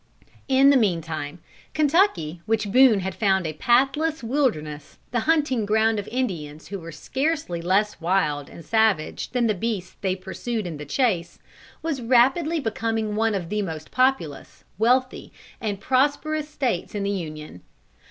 In the meantime Kentucky, which Boone had found a pathless wilderness, the hunting ground of Indians who were scarcely less wild and savage than the beasts they pursued in the chase, was rapidly becoming one of the most populous, wealthy and prosperous States in the Union.